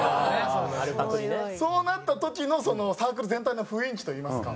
そうなった時のサークル全体の雰囲気といいますか。